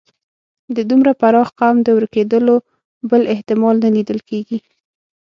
د دومره پراخ قوم د ورکېدلو بل احتمال نه لیدل کېږي.